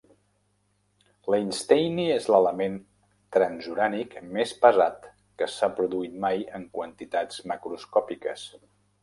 L'einsteini és l'element transurànic més pesat que s'ha produït mai en quantitats macroscòpiques.